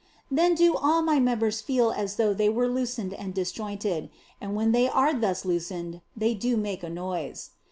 Then do all my members feel as though they were loosened and disjointed, and when they are thus loosened they do make a noise.